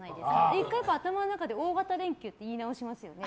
１回やっぱ頭の中で大型連休って言い直しますよね。